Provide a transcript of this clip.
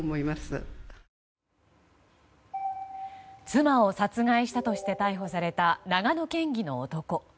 妻を殺害したとして逮捕された長野県議の男。